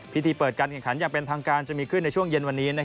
พิธีเปิดการแข่งขันอย่างเป็นทางการจะมีขึ้นในช่วงเย็นวันนี้